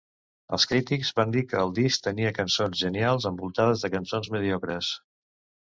Els crítics van dir que el disc tenia cançons genials envoltades de cançons mediocres.